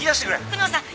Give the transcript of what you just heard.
久能さん